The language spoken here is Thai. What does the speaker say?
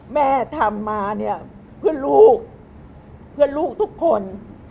แม่ทำมาเนี่ยเพื่อนลูกเพื่อนลูกทุกคน